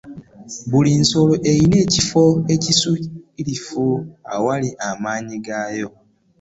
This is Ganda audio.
Buli nsolo erina ekifo ekikusifu awali amanyi g'akyo